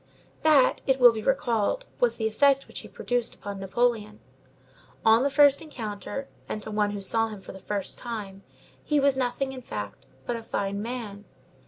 That, it will be recalled, was the effect which he produced upon Napoleon. On the first encounter, and to one who saw him for the first time, he was nothing, in fact, but a fine man.